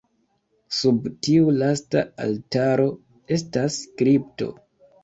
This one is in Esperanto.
Sub tiu lasta altaro estas kripto.